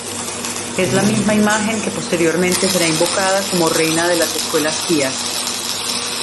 Es la misma imagen que posteriormente será invocada como Reina de las Escuelas Pías.